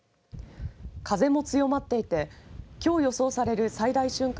風も強まっていてきょう予想される最大瞬間